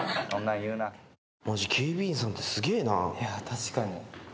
確かに。